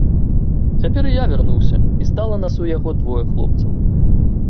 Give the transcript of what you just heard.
Цяпер і я вярнуўся, і стала нас у яго двое хлопцаў.